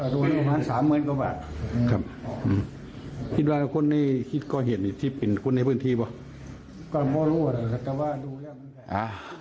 ก็ไม่รู้แต่ก็ว่าดูแล้วมันแค่